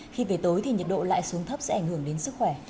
khi về tối thì nhiệt độ lại xuống thấp sẽ ảnh hưởng đến sức khỏe